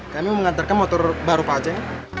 kami mau mengantarkan motor baru pak ajeng